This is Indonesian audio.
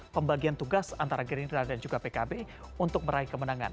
pembagian tugas antara gerindra dan juga pkb untuk meraih kemenangan